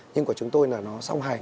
nhưng của chúng tôi là nó song hành